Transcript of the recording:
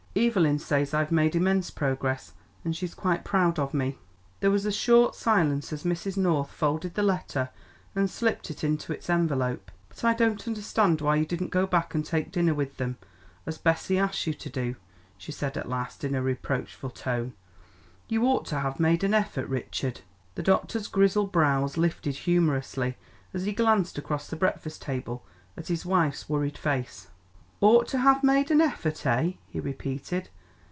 "Evelyn says I've made immense progress, and she's quite proud of me." There was a short silence as Mrs. North folded the letter and slipped it into its envelope. "But I don't understand why you didn't go back and take dinner with them, as Bessie asked you to do," she said at last, in a reproachful tone. "You ought to have made an effort, Richard." The doctor's grizzled brows lifted humorously as he glanced across the breakfast table at his wife's worried face. "Ought to have made an effort eh?" he repeated.